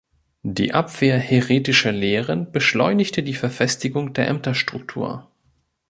Die Abwehr häretischer Lehren beschleunigte die Verfestigung der Ämterstruktur.